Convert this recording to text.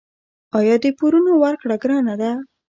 آیا د پورونو ورکړه ګرانه ده؟